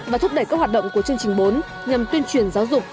và thúc đẩy các hoạt động của chương trình bốn nhằm tuyên truyền giáo dục